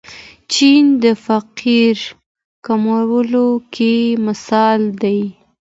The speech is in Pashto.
چین د فقر کمولو کې مثال دی.